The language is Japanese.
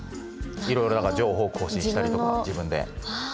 いろいろ情報更新したりとか自分でやった。